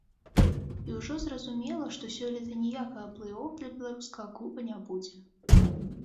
І ўжо зразумела, што сёлета ніякага плэй-оф для беларускага клуба не будзе.